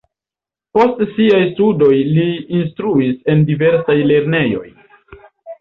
Post siaj studoj li instruis en diversaj lernejoj.